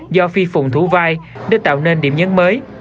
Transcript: do phi phùng thủ vai để tạo nên điểm nhấn mới